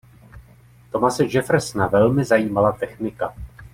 Thomase Jeffersona velmi zajímala technika.